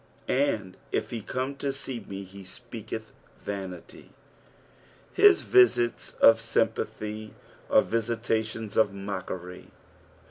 "And if fie come to tee me, he tpeateth tanitij.'' His visits nf sympathy are Tisitations of mockery.